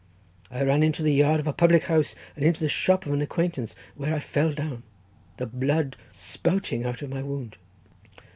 I ran into the yard of a public house, and into the shop of an acquaintance, where I fell down, the blood spouting out of my wound."